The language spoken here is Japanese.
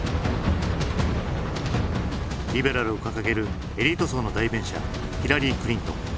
リベラルを掲げるエリート層の代弁者ヒラリー・クリントン。